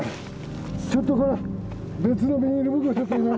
ちょっとこれ別のビニール袋ちょっと入れんかい？